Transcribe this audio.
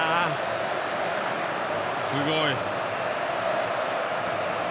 すごい！